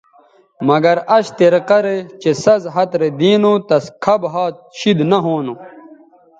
مگر اش طریقہ رے چہء سَز ھَت رے دی نو تہ کھب ھَات شید نہ ھونو